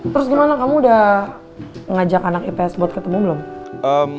terus gimana kamu udah ngajak anak ips buat ketemu belum